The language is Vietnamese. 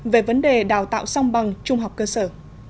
về vấn đề đào tạo song bằng trung học cơ sở